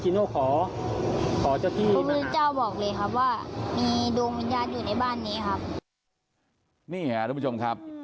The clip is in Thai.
มีโดโงวิญญาณอยู่ในบ้านนี้